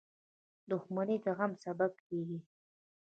• دښمني د غم سبب کېږي.